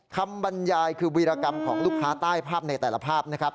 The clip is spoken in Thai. บรรยายคือวีรกรรมของลูกค้าใต้ภาพในแต่ละภาพนะครับ